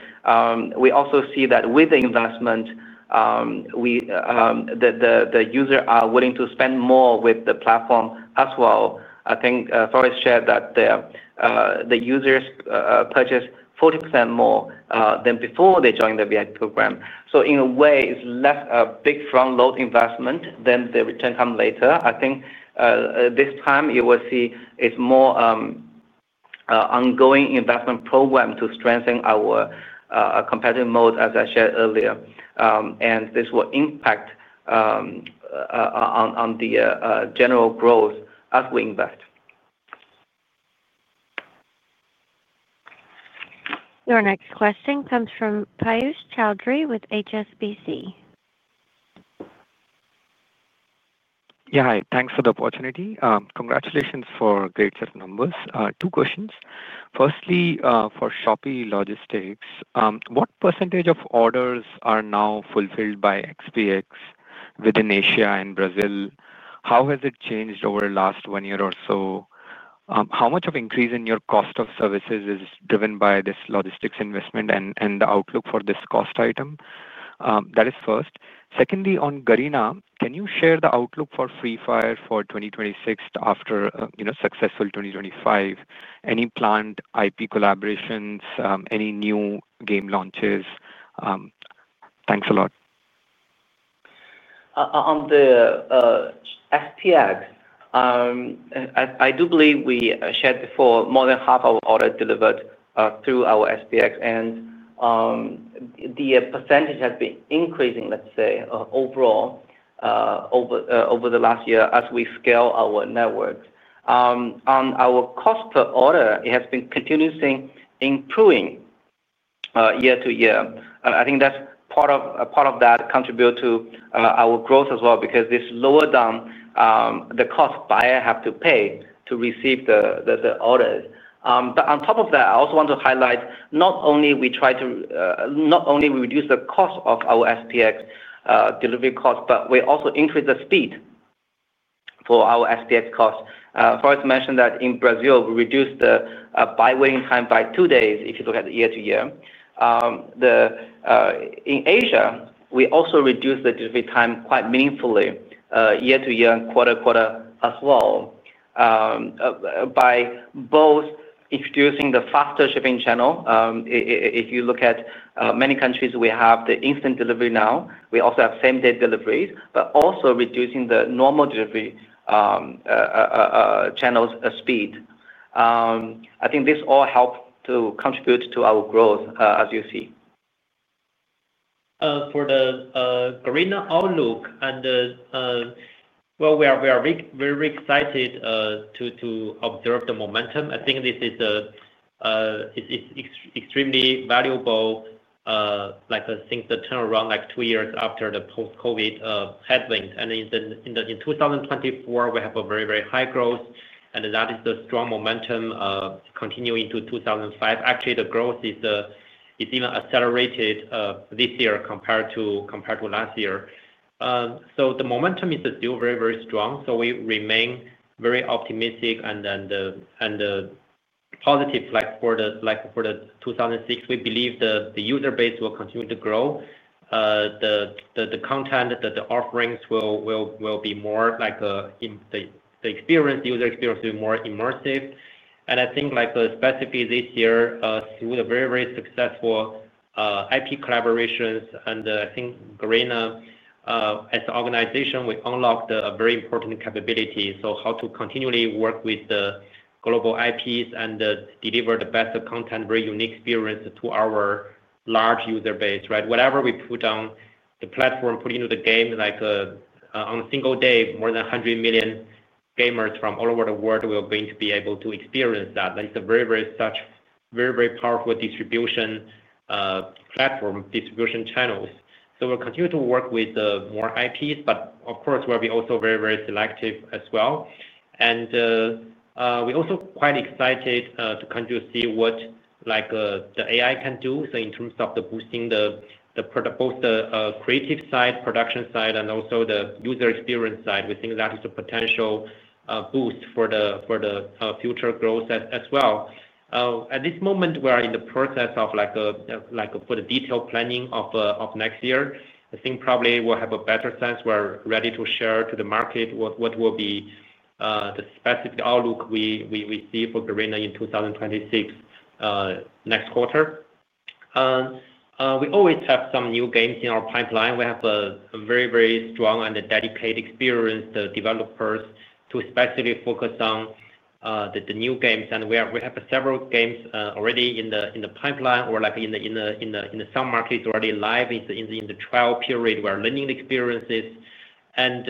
we also see that with the investment the users are willing to spend more with the platform as well. I think Forrest shared that the users purchase 40% more than before they joined the VIP program. In a way it's less a big front load investment than the return comes later. I think this time you will see it's more ongoing investment program to strengthen our competitive moat as I shared earlier and this will impact on the general growth as we invest. Your next question comes from Piyush Choudhary with HSBC. Yeah, thanks for the opportunity. Congratulations for great set of numbers. Two questions. Firstly for Shopee Logistics, what percentage of orders are now fulfilled by SPX within Asia and Brazil? How has it changed over the last one year or so? How much of increase in your cost of services is driven by this logistics investment and the outlook for this cost item, that is first. Secondly on Garena, can you share the outlook for Free Fire for 2026 after successful 2025? Any planned IP collaborations? Any new game launches? Thanks a lot. On the SPX, I do believe we shared before more than half our orders are delivered through our SPX, and the percentage has been increasing, let's say, overall over the last year. As we scale our network, our cost per order has been continuously improving year to year, and I think that's part of what contributes to our growth as well because this lowers down the cost buyers have to pay to receive the orders. I also want to highlight not only do we reduce the cost of our SPX delivery cost, but we also increase the speed for our SPX costs. For us to mention, in Brazil we reduced the buyer waiting time by two days. If you look at the year to year in Asia, we also reduce the delivery time quite meaningfully year to year and quarter to quarter as well by both introducing the faster shipping channel. If you look at many countries, we have the instant delivery now, we also have same day deliveries, but also reducing the normal delivery channel's speed. I think this all helps to contribute to our growth as you see. For the Garena outlook, we are very excited to observe the momentum. I think this is extremely valuable since the turnaround like two years after the post Covid headwind and in 2024 we have a very, very high growth and that is the strong momentum continuing to 2025. Actually the growth is even accelerated this year compared to last year, so the momentum is still very, very strong. We remain very optimistic positive. Like for 2006 we believe the user base will continue to grow, the content that the offerings will be more like the experience. User experience is more immersive and I think like specifically this year through the very very successful IP collaborations and I think Garena as an organization we unlocked a very important capability, so how to continually work with the global IPs and deliver the best of content, very unique. Experience to our large user base. Right. Whatever we put on the platform, put into the game, like on a single. Day more than 100 million gamers from. All over the world will be able to experience that. That is a very, very such very powerful distribution platform, distribution channels. We'll continue to work with more IPs but of course we'll be also very selective as well and we also quite excited to kind of see what like the AI can do. In terms of boosting the both the creative side, production side, and also the user experience side, we think that is a potential boost for the future growth as well. At this moment we are in the process of like for the detailed planning of next year. I think probably we'll have a better sense when we're ready to share to the market what will be the specific outlook we see for Garena in 2026 next quarter. We always have some new games in our pipeline. We have a very very strong and dedicated experience developers to especially focus on. The new games, and we have several games already in the pipeline or like in some markets already live in the trial period where learning experiences and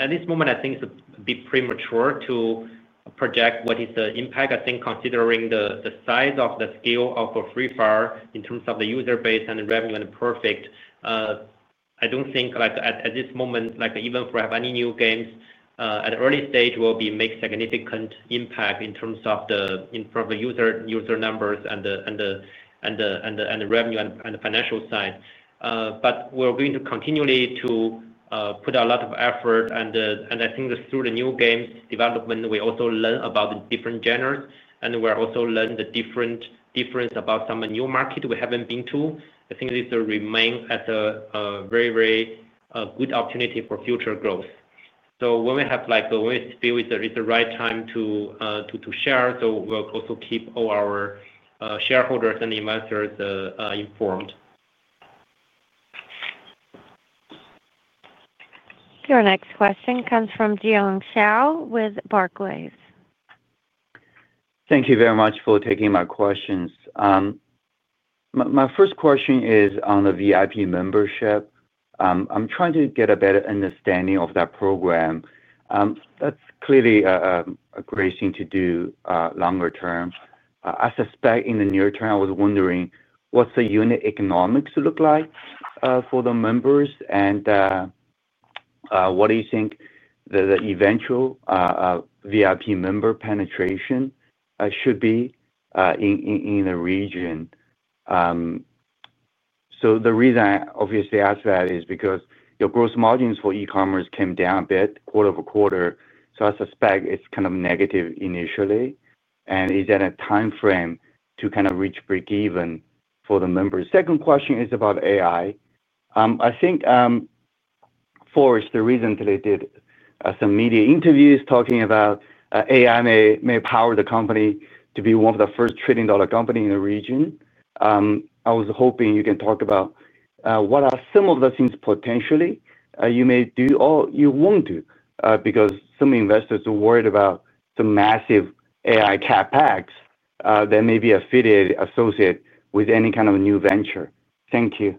at this moment I think it's a bit premature to project what is the impact. I think considering the. Size of the scale of a Free Fire in terms of the user base and revenue and perfect. I don't think like at this moment like even if we have any new games at an early stage will make significant impact in terms of the user numbers and the revenue and the financial side. We're going to continually put a lot of effort and I think through the new games development we also learn about the different genres and we're also learning the different difference about some new market we haven't been to. I think this remains at a very good opportunity for future growth. When we have like we feel it's the right time to share. We'll also keep all our shareholders and investors inform. Your next question comes from Yang Xiao with Barclays. Thank you very much for taking my questions. My first question is on the VIP membership. I'm trying to get a better understanding of that program. That's clearly a great thing to do longer term. I suspect in the near term, I was wondering what the unit economics look like for the members and what do you think the eventual VIP member penetration should be in the region? The reason I obviously ask that is because your gross margins for E-commerce came down a bit quarter over quarter. I suspect it's kind of negative initially. Is there a time frame to reach breakeven for the members? My second question is about AI. I think Forrest recently did some media interviews talking about AI may power the company to be one of the first trillion dollar company in the region. I was hoping you can talk about what are some of the things potentially you may do or you want to because some investors are worried about some massive AI CapEx that may be affiliated or associated with any kind of new venture. Thank you.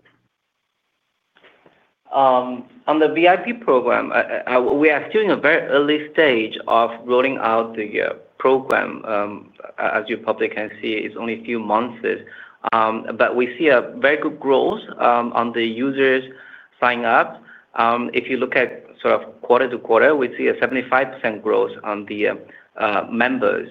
On the VIP program we are still in a very early stage of rolling out the program. As you probably can see it's only a few months but we see a very good growth on the users sign up. If you look at sort of quarter to quarter we see a 75% growth on the members.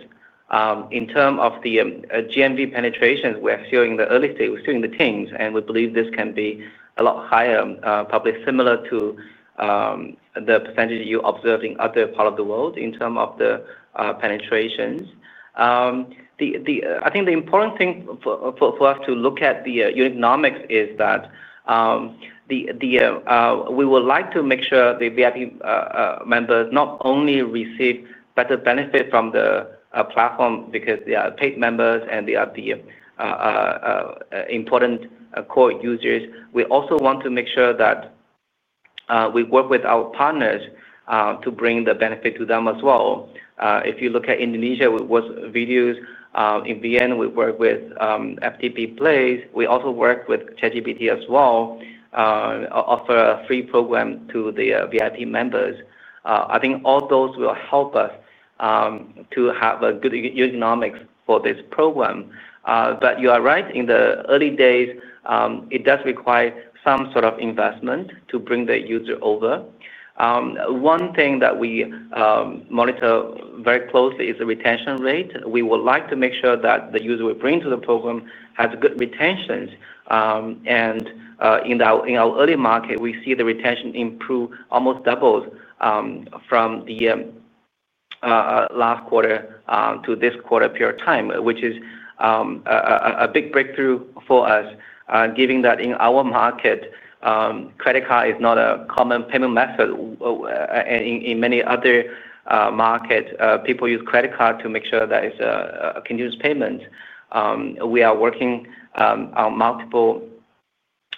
In terms of the GMV penetrations we're seeing in the early stage, we're still in the teens and we believe this can be a lot higher. Probably similar to the percentage you observe in other part of the world in terms of the penetrations. I think the important thing for us to look at the economics is that we would like to make sure the VIP members not only receive better benefit from the platform because they are paid members and they are the important core users. We also want to make sure that we work with our partners to bring the benefit to them as well. If you look at Indonesia with videos in Vietnam, we work with FPT Play. We also work with ChatGPT as well, offer a free program to the VIP members. I think all those will help us to have a good economics for this program. You are right, in the early days it does require some sort of investment to bring the user over. One thing that we monitor very closely is the retention rate. We would like to make sure that the user we bring to the program has good retentions and in our early market we see the retention improve almost double from the last quarter to this quarter period of time, which is a big breakthrough for us given that in our market credit card is not a common payment method. In many other markets people use credit card to make sure that it's continuous payment. We are working on multiple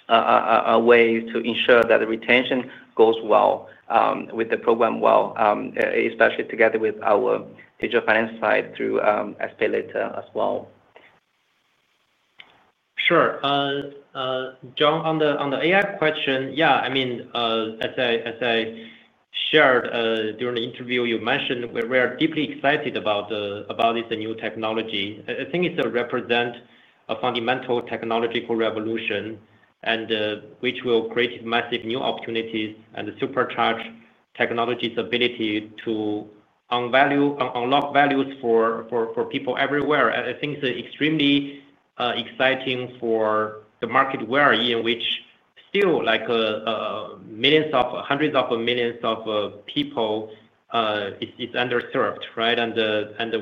ways to ensure that the retention goes well with the program, especially together with our digital finance side through SPayLater as well. Sure. Yang, on the AI question. Yeah. I mean as I shared during the interview you mentioned we are deeply excited about this new technology. I think it represents a fundamental technological revolution which will create massive new opportunities and the supercharged technology's ability to unlock. Values for people everywhere. I think it's extremely exciting for the market we are in, which still, like, hundreds of millions of people is underserved. Right.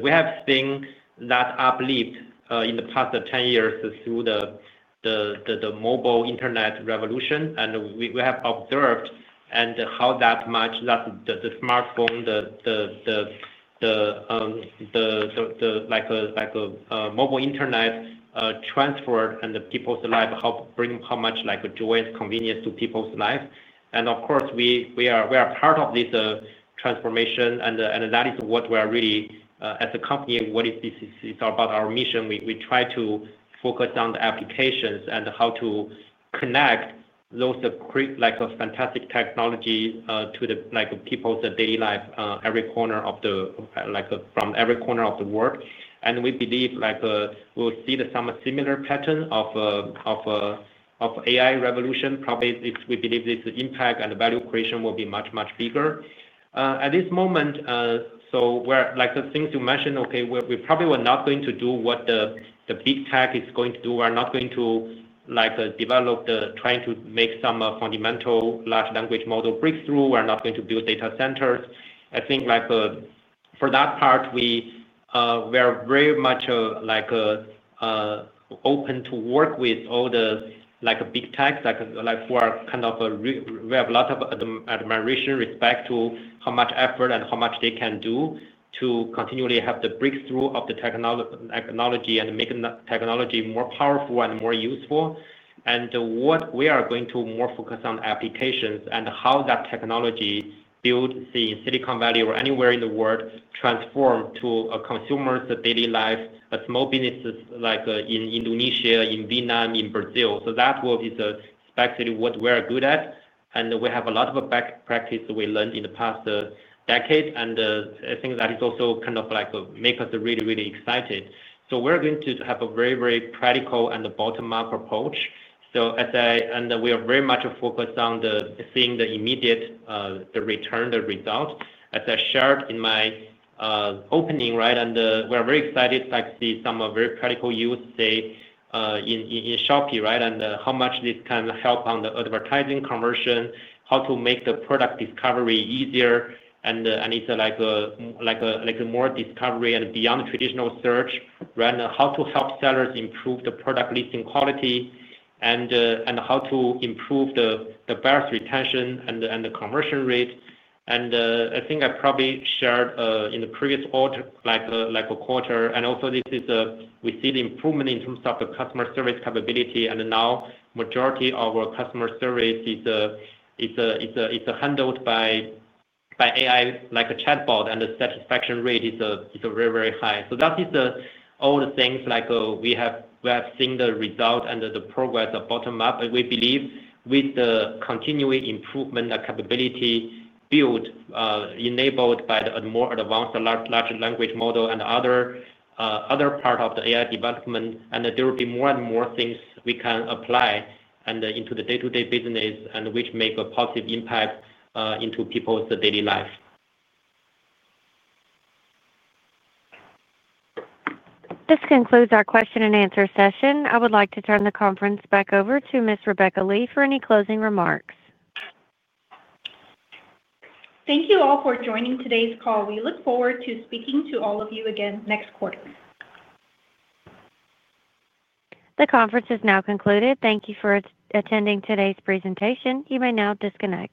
We have seen that uplift in the past 10 years through the mobile Internet revolution. We have observed how much the smartphone, like mobile Internet, transformed people's lives, helped bring how much, like, a joyous convenience to people's lives. Of course we are part of. This transformation and that is what we are really as a company. What is this? It's about our mission. We try to focus on the applications and how to connect those fantastic technology to people's daily life from every corner of the world. We believe we'll see some similar pattern of AI revolution. Probably we believe this impact and the value creation will be much, much bigger at this moment. We're like the things you mentioned. Okay. We probably were not going to do what the big tech is going to do. We're not going to like develop the trying to make some fundamental large language model breakthrough. We're not going to build data centers. I think for that part we are very much open to work with all the big tech like who are kind of. We have a lot of admiration and respect to how much effort and how much they can do to continually have the breakthrough of the technology and making technology. More powerful and more useful. We are going to more focus on applications and how that technology. Build Silicon Valley or anywhere in the. World transform to a consumer's daily life. Small businesses like in Indonesia, in Vietnam, in Brazil. That is a speculative what we are good at. We have a lot of back practice that we learned in the past decade. I think that is also kind of like make us really, really excited. We are going to have a very, very practical and the bottom up approach. We are very much focused on the seeing the immediate return the result as I shared in my opening. Right. We are very excited to see some of very practical use say in Shopee. Right. How much this can help on the advertising conversion, how to make the product discovery easier, and it's like more discovery and beyond traditional search, how to. Help sellers improve the product listing quality. To improve the balance retention and the conversion rate. I think I probably shared in the previous quarter, and also this is. We see the improvement in terms of the customer service capability and now majority of our customer service is handled by AI like a chatbot and the satisfaction rate is very, very high. That is all the things like we have seen the result and the progress of bottom up. We believe with the continuing improvement capability built enabled by the more advanced larger language model and other part of the AI development, there will be more and more things we can apply into the day to day business, which make a positive impact into people's daily life. This concludes our question and answer session. I would like to turn the conference back over to Ms. Rebecca Lee for any closing remarks. Thank you all for joining today's call. We look forward to speaking to all of you again next quarter. The conference is now concluded. Thank you for attending today's presentation. You may now disconnect.